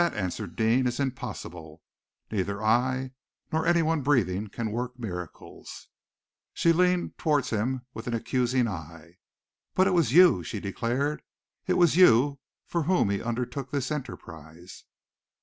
"That," answered Deane, "is impossible. Neither I nor anyone breathing can work miracles." She leaned towards him with accusing eyes. "But it was you," she declared, "it was you for whom he undertook this enterprise!"